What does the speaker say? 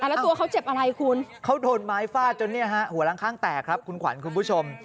แล้วตัวเขาเจ็บอะไรคุณเขาโดนไม้ฟาดจนเนี่ยฮะหัวล้างข้างแตกครับคุณขวัญคุณผู้ชม